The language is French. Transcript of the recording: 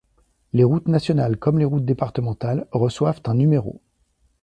Les routes nationales comme les routes départementales reçoivent un numéro.